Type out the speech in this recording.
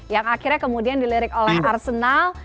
yang akhirnya kemudian dilirik oleh arsenal